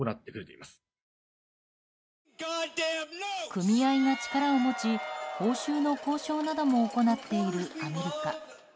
組合が力を持ち、報酬の交渉なども行っているアメリカ。